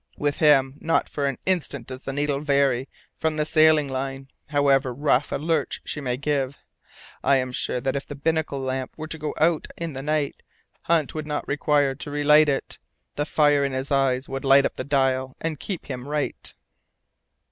With him, not for an instant does the needle vary from the sailing line, however rough a lurch she may give. I am sure that if the binnacle lamp were to go out in the night Hunt would not require to relight it. The fire in his eyes would light up the dial and keep him right."